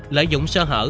lợi dụng sơ hở